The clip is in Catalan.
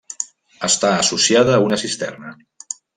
Està associada a una cisterna.